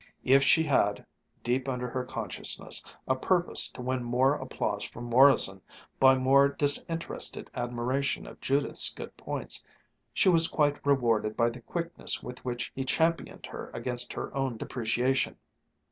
If she had, deep under her consciousness, a purpose to win more applause from Morrison, by more disinterested admiration of Judith's good points, she was quite rewarded by the quickness with which he championed her against her own depreciation.